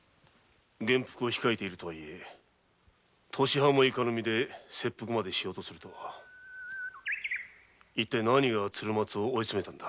元服を控えているとはいえ年端もいかぬ身で切腹までしようとするとは一体何が鶴松を追いつめたのだ？